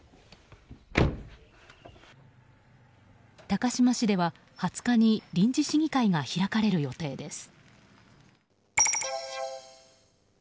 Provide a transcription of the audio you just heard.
高島市では２０日に臨時市議会が開かれる予定です。